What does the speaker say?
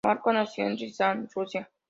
Márkov nació en Riazán, Rusia.